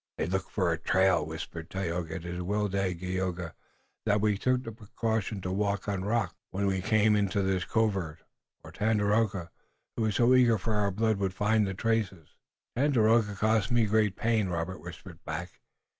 "They look for a trail," whispered Tayoga. "It is well, Dagaeoga, that we took the precaution to walk on rocks when we came into this covert, or Tandakora, who is so eager for our blood, would find the traces." "Tandakora costs me great pain," Robert whispered back.